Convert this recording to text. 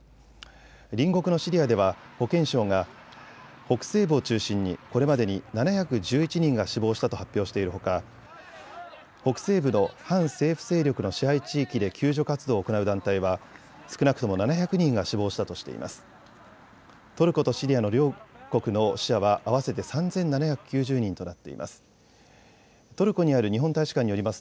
隣国のシリアでは保健省が北西部を中心にこれまでに７１１人が死亡したと発表しているほか北西部の反政府勢力の支配地域で救助活動を行う団体は少なくとも７００人が死亡したとしています。